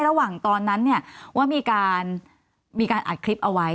ตอนนั้นเนี่ยว่ามีการอัดคลิปเอาไว้